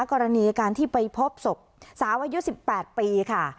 กรณีการที่ไปพบศพสาวอายุ๑๘ปีค่ะ